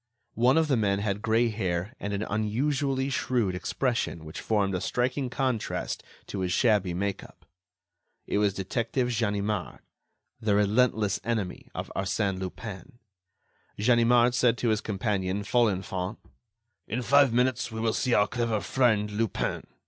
One of the men had grey hair and an unusually shrewd expression which formed a striking contrast to his shabby make up. It was Detective Ganimard, the relentless enemy of Arsène Lupin. Ganimard said to his companion, Folenfant: "In five minutes, we will see our clever friend Lupin.